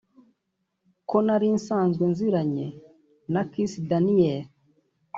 ko nari nsanzwe nziranye na Kiss Daniel